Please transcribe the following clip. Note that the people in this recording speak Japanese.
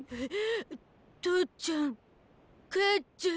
父ちゃん母ちゃん。